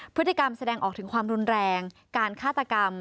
พฤติกรรมแสดงออกถึงความรุนแรงการฆาตกรรม